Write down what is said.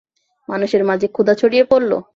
মানুষের মাঝে ক্ষুধা ছড়িয়ে পড়ল।